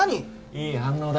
いい反応だ